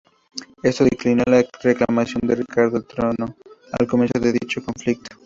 Esto declinó con la reclamación de Ricardo al trono, al comienzo de dicho conflicto.